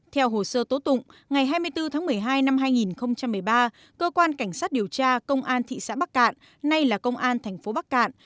theo hồ sơ tố tụng ngày hai mươi bốn tháng một mươi hai năm hai nghìn một mươi ba cơ quan cảnh sát điều tra công an thị xã bắc cạn nay là công an thành phố bắc cạn